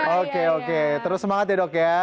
oke oke terus semangat ya dok ya